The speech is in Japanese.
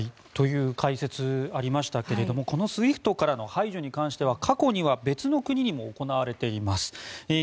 という解説がありましたがこのＳＷＩＦＴからの排除に関しては過去には別の国にも行われています。